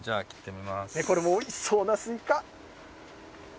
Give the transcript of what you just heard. これも、おいしそうなスイカ。